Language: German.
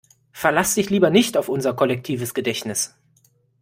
Verlass dich lieber nicht auf unser kollektives Gedächtnis!